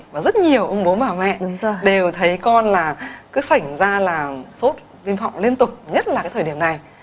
và rất nhiều ông bố bà mẹ đều thấy con cứ sảnh ra làm sốt viêm họng liên tục nhất là cái thời điểm này